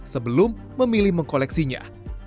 sebelum memilih mengkoleksinya